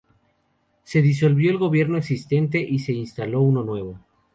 Se disolvió el gobierno existente y se instaló uno nuevo.